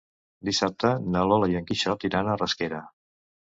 Dissabte na Lola i en Quixot iran a Rasquera.